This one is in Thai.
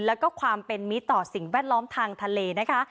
แล้วก็ความเป็นมิตรต่อสิ่งแวดล้อมทางทะเลนะคะ